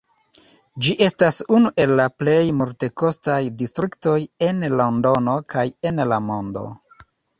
Ĝi estas unu el la plej multekostaj distriktoj en Londono kaj en la mondo.